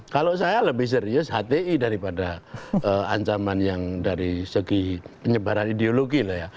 kalau saya lebih serius hti daripada ancaman yang dari segi penyebaran ideologi lah ya